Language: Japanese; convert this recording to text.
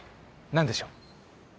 何でしょう？